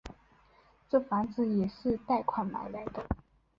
这房子也是贷款买来的